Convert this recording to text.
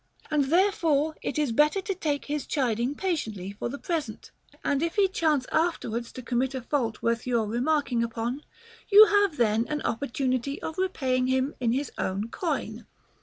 And therefore it is better to take his chiding patiently for the present ; and if he chance afterwards to commit a fault worth your remark ing upon, you have then an opportunity of repaying him in his own coin.